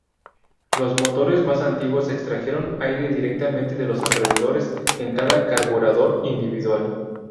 Los motores más antiguos extrajeron aire directamente de los alrededores en cada carburador individual.